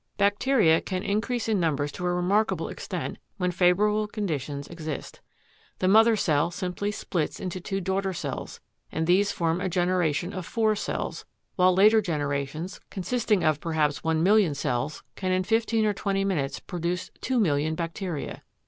Bacteria can increase in numbers to a remarkable extent when favorable conditions exist. The mother cell simply splits into two daughter cells and these form a generation of four cells, while later generations, consisting of perhaps one million cells, can in fifteen or twenty minutes produce two million bacteria.